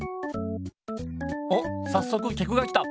おっさっそくきゃくが来た。